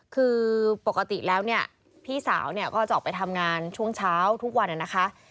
คือปกติแล้วเนี่ยพี่สาวเนี่ยก็จะออกไปทำงานช่วงเช้าทุกวันนะคะ